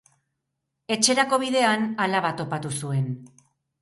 Etxerako bidean alaba topatu zuen.